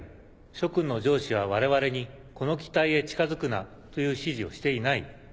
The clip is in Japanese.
諸君の上司は我々にこの機体へ近づくなという指示をしていない。